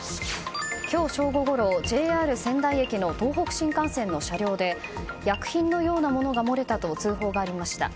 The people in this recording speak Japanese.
今日正午ごろ、ＪＲ仙台駅の東北新幹線の車両で薬品のようなものが漏れたと通報がありました。